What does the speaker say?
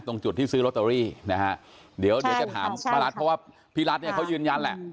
ตรงจุดที่ซื้อลอตเตอรี่นะฮะเดี๋ยวเดี๋ยวจะถามป้ารัฐเพราะว่าพี่รัฐเนี่ยเขายืนยันแหละ